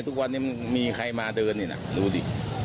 ทุกวันนี้มันมีใครมาเดินไหมดูดิ